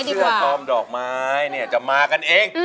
เสื้อซอมดอกไม้เนี่ยจะมากันเอง